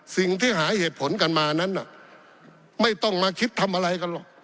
สิ่งที่หาเหตุผลกันมานั้นน่ะไม่ต้องมาคิดทำอะไรกันหรอก